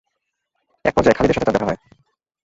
এক পর্যায়ে খালিদের সাথে তার দেখা হয়।